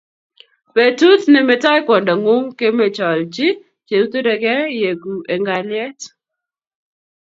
Betut nemetoi kwondongung komecholchi cheoturekei ieku eng kalyet